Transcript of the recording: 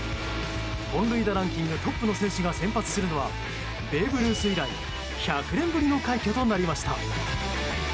本塁打ランキングトップの選手が先発するのはベーブ・ルース以来１００年ぶりの快挙となりました。